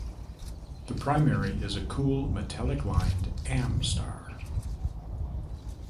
The primary is a cool metallic-lined Am star.